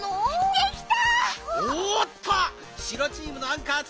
できた！